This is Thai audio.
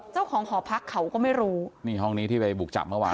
เจ้าของหอพักเขาก็ไม่รู้นี่ห้องนี้ที่ไปบุกจับเมื่อวาน